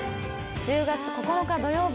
１０月９日土曜日